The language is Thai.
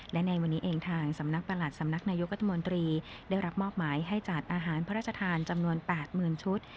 และในวันนี้เองทางสำนักประหลัดสำนักนายกรัฐมนตรีได้รับมอบหมายให้จัดอาหารพระราชทานจำนวน๘๐๐๐ชุด